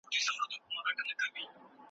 دغه حاجي چي دی ډېر په چټکۍ سره تکبیرونه وایی.